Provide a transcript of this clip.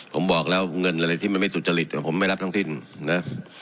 ผมบอกแล้วเงินอะไรที่มันไม่สุจริตผมไม่รับทั้งสิ้นนะ